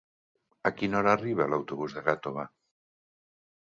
A quina hora arriba l'autobús de Gàtova?